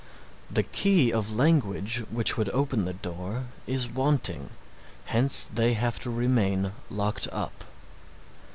The key of language which would open the door is wanting, hence they have to remain locked up.